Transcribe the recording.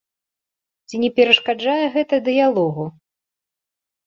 Ці не перашкаджае гэта дыялогу?